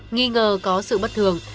nghi ngờ có sự bất thường